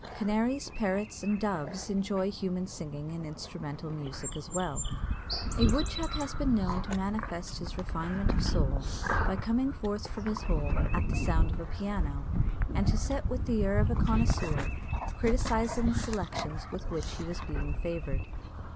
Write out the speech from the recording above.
Canaries, Parrots, and Doves enjoy human singing and instrumental music as well. A Woodchuck has been known to manifest his refinement of soul by coming forth from his hole at the sound of a piano and to sit with the air of a connoisseur criticising the selections with which he was being favored.